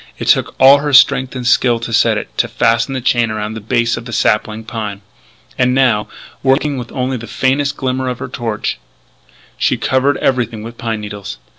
It took all her strength and skill to set it; to fasten the chain around the base of the sapling pine. And now, working with only the faintest glimmer of her torch, she covered everything with pine needles.